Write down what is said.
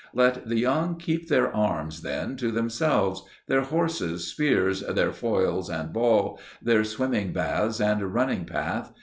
Let the young keep their arms then to themselves, their horses, spears, their foils and ball, their swimming baths and running path.